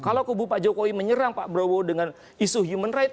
kalau kebupak jokowi menyerang pak browo dengan isu human right